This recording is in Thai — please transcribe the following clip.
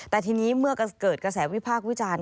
แต่ทีนี้เมื่อเกิดกระแสวิพากษ์วิจารณ์